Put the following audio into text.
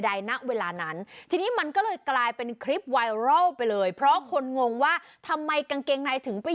สูง๕เมตรดูสิน่ะน้อยที่ไหนล่ะใช่แล้วมันมีทั้งรองเท้า